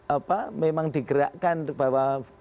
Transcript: apa memang digerakkan bahwa